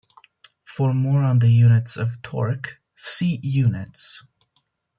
For more on the units of torque, see Units.